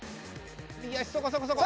右足そこそこそこ。